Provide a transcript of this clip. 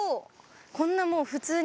こんなもう普通に。